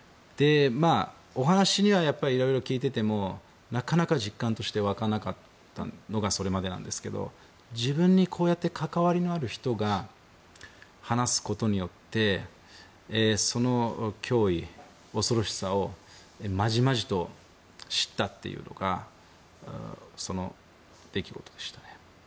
お話には、いろいろ聞いててもなかなか実感として湧かなかったのがそれまでなんですけど自分にこうやって関わりのある人が話すことによってその脅威、恐ろしさをまじまじと知ったというのがその出来事でした。